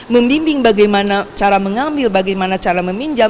membimbing bagaimana cara mengambil bagaimana cara meminjam